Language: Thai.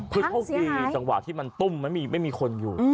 พึ่งทุกทีสังหวะที่มันตุ้มไม่มีคนอยู่